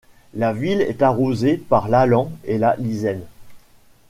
La ville est arrosée par l'Allan et la Lizaine.